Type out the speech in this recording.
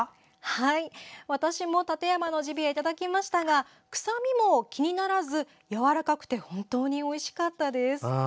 はい、私も館山のジビエいただきましたが臭みも気にならずやわらかくて本当においしかったです。